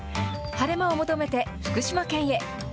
晴れ間を求めて、福島県へ。